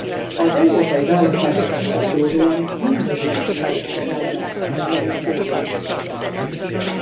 Az európai választásokhoz kapcsolódóan nincs az Unió összes tagállamára kiterjedő közvélemény-kutatás.